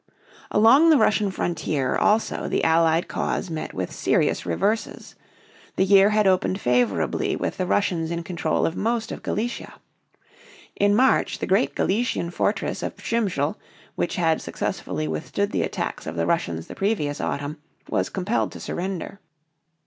Along the Russian frontier also the Allied cause met with serious reverses. The year had opened favorably with the Russians in control of most of Galicia. In March the great Galician fortress of Przemysl, which had successfully withstood the attacks of the Russians the previous autumn, was compelled to surrender.